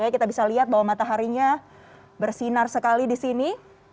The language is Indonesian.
kita bisa lihat bahwa mataharinya bersinar sekali di sini